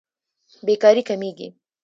بېکاري کمېږي.